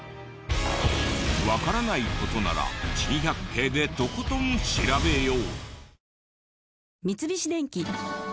わからない事なら『珍百景』でとことん調べよう！